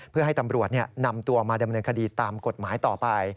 เพื่อให้ตำรวจนำตัวมาดำเนินคดีตามกฎหมายต่อไป